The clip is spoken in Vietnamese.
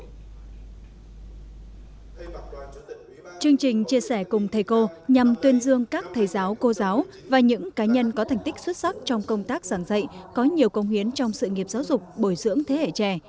chương trình chia sẻ cùng thầy cô nhằm tuyên dương các thầy giáo cô giáo và những cá nhân có thành tích xuất sắc trong công tác giảng dạy có nhiều công hiến trong sự nghiệp giáo dục bồi dưỡng thế hệ trẻ